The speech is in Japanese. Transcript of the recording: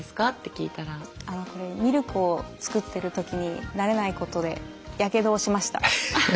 これミルクを作ってる時に慣れないことでやけどをしました。